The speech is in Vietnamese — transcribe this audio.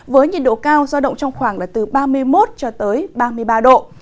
với nhiệt độ cao giao động trong khoảng là từ ba mươi một cho tới ba mươi ba độ